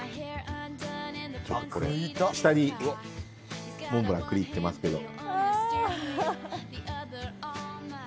下にモンブラン、栗行ってますけど。